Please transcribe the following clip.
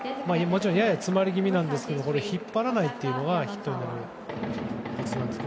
やや詰まり気味ですが引っ張らないというのがヒットになるコツなんですね。